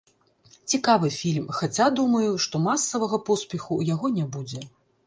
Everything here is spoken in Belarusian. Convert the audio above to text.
Цікавы фільм, хаця, думаю, што масавага поспеху ў яго не будзе.